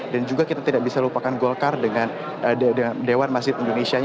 dan juga kita tidak bisa lupakan golkar dengan dewan masjid indonesia